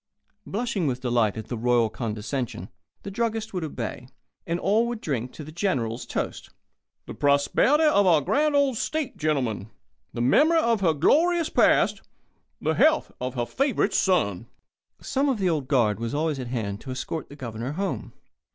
Blushing with delight at the royal condescension, the druggist would obey, and all would drink to the General's toast: "The prosperity of our grand old state, gentlemen the memory of her glorious past the health of her Favourite Son." Some one of the Old Guard was always at hand to escort the Governor home.